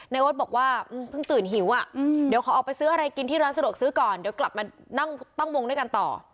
วัดบอกว่าเพิ่งตื่นหิวอ่ะเดี๋ยวขอออกไปซื้ออะไรกินที่ร้านสะดวกซื้อก่อนเดี๋ยวกลับมานั่งตั้งวงด้วยกันต่อ